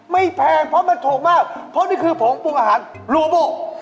แพงเพราะมันถูกมากเพราะนี่คือผงปรุงอาหารลูโบ